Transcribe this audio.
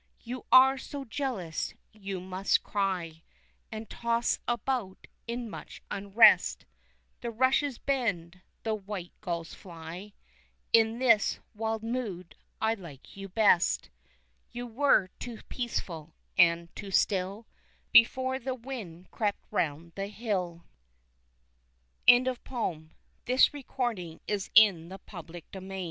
You are so jealous you must cry And toss about in much unrest The rushes bend, the white gulls fly In this wild mood I like you best. You were too peaceful, and too still Before the wind crept round the hill. [Illustration: Decorative image unavailable.] Deserted